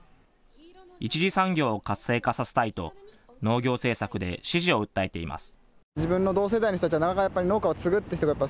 一次産業を活性化させたいと、農業政策で支持を訴えています。